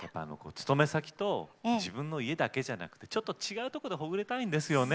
勤め先と自分の家だけじゃなくてちょっと違うとこでほぐれたいんですよね。